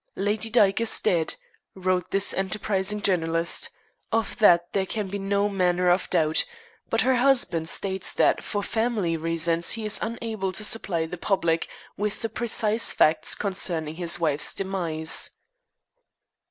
"Lady Dyke is dead," wrote this enterprising journalist; "of that there can be no manner of doubt, but her husband states that for family reasons he is unable to supply the public with the precise facts concerning his wife's demise."